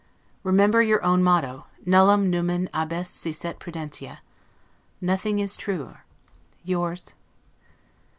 Remember your own motto, 'Nullum numen abest si sit prudentia'. Nothing is truer. Yours.